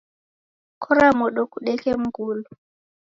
Kora modo kudeke mngulu.